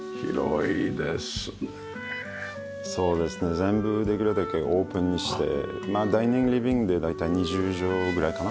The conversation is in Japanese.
全部できるだけオープンにしてダイニング・リビングで大体２０畳ぐらいかな。